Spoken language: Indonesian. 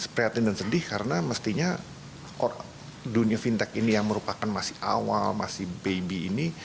prihatin dan sedih karena mestinya dunia fintech ini yang merupakan masih awal masih baby ini